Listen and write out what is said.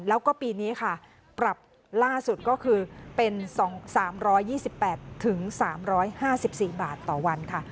แล้วก็ปีนี้ค่ะปรับล่าสุดก็คือเป็น๒๓๒๘๓๕๔บาทต่อวันค่ะ